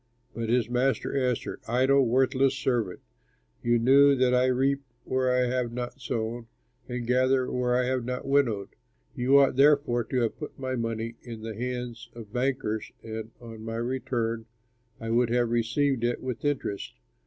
"But his master answered, 'Idle, worthless servant! You knew that I reap where I have not sown and gather where I have not winnowed. You ought therefore to have put my money in the hands of bankers and on my return I would have received it with interest.